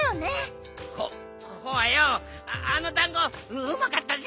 ホホワようあのだんごうまかったぜ。